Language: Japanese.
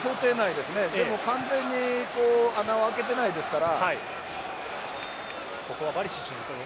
でも、完全に穴を開けてないですから。